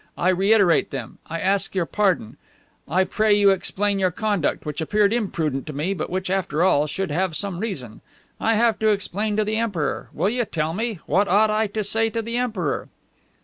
I reiterate them. I ask your pardon. I pray you to explain your conduct, which appeared imprudent to me but which, after all, should have some reason. I have to explain to the Emperor. Will you tell me? What ought I to say to the Emperor?"